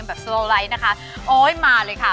มันดีมากใกล้บ้านด้วย